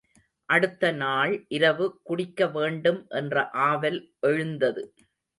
அடுத்த நாள் இரவு குடிக்க வேண்டும் என்ற ஆவல் எழுந்தது.